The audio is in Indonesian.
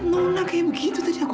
nona mau pergi kemana ya